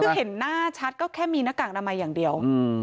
คือเห็นหน้าชัดก็แค่มีหน้ากากอนามัยอย่างเดียว